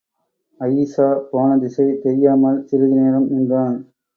அயிஷா போனதிசை தெரியாமல், சிறிதுநேரம் நின்றான்.